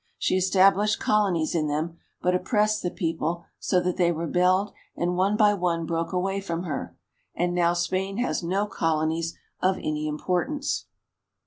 She established colonies in them, but oppressed the people so that they rebelled and one by one broke away from her, and now Spain has no colonies of any importance.